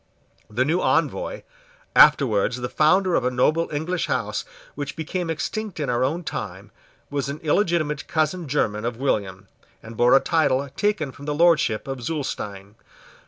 The new Envoy, afterwards the founder of a noble English house which became extinct in our own time, was an illegitimate cousin german of William; and bore a title taken from the lordship of Zulestein.